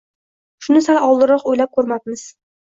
Shuni sal oldinroq o’ylab ko’rmabmiz.